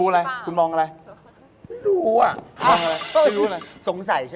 นี่กี่บ้าง